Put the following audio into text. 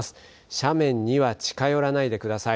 斜面には近寄らないでください。